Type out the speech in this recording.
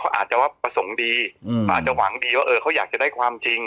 เขาอาจจะว่าประสงค์ดีเขาอาจจะหวังดีว่าเออเขาอยากจะได้ความจริง